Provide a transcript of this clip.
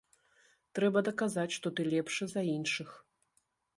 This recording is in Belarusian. Трэба даказаць, што ты лепшы за іншых.